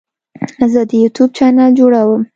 زه د یوټیوب چینل جوړوم.